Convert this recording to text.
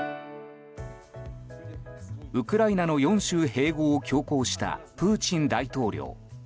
ウクライナの４州併合を強行したプーチン大統領。